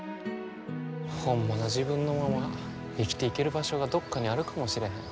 ホンマの自分のまま生きていける場所がどっかにあるかもしれへん。